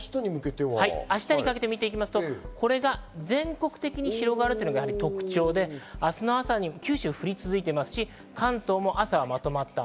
明日にかけて見ていきますと、これが全国的に広がるというのが特徴で、九州は降り続いていますし、関東も朝はまとまった雨。